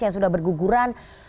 yang sudah berguguran